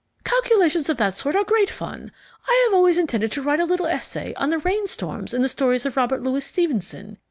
Calculations of that sort are great fun. I have always intended to write a little essay on the rainstorms in the stories of Robert Louis Stevenson.